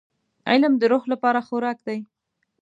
• علم د روح لپاره خوراک دی.